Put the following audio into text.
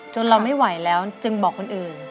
เราไม่ไหวแล้วจึงบอกคนอื่น